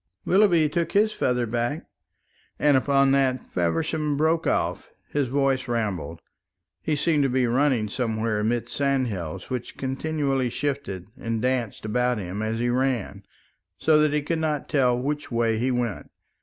"Willoughby took his feather back" and upon that Feversham broke off. His voice rambled. He seemed to be running somewhere amid sandhills which continually shifted and danced about him as he ran, so that he could not tell which way he went.